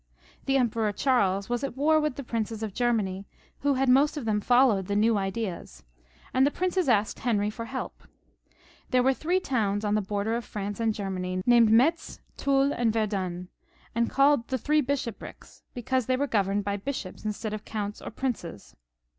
The Emperor Charles was at war with the princes of Germany, who had most of them followed the new ideas, and the princes asked Henry for help. There were three towns on the borders of France and Germany, named Metz, Toul, and Verdun, and called the Three Bishoprics, because they were gov erned by bishops instead of counts or princes.